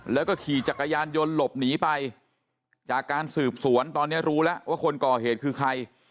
แล้วก็ขี่จักรยานยนต์หลบหนีไปจากการสืบสวนตอนนี้รู้แล้วว่าคนก่อเหตุคือใคร